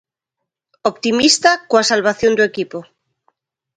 Optimista coa salvación do equipo.